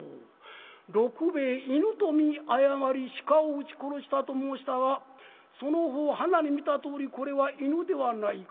六兵衛犬と見誤り鹿を打ち殺したと申したがその方歯並み見たとおりこれは犬ではないか？